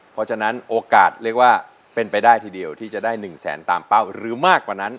เพราะฉะนั้นโอกาสเรียกว่าเป็นไปได้ทีเดียวที่จะได้๑แสนตามเป้าหรือมากกว่านั้น